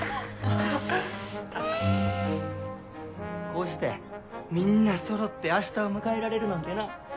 こうしてみんなそろって明日を迎えられるなんてな。